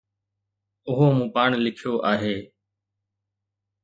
اهو مون پاڻ لکيو آهي.